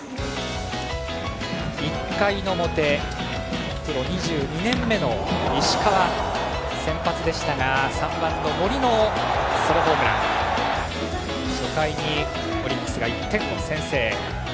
１回の表、プロ２２年目の石川が先発でしたが３番の森のソロホームランで初回にオリックスが１点を先制。